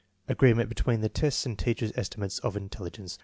AGREEMENT BETWEEN THE TEBTS AND TEACHBES* ESTIMATES OF INTELLIGENCE.